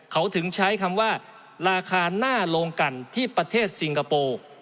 เขาถึงใช้คำว่าราคาหน้าโรงกันที่ประเทศซิงคโปร์